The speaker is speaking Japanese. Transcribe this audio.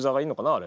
あれ。